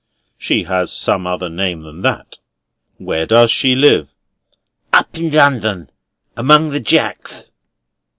"She has some other name than that; where does she live?" "Up in London. Among the Jacks."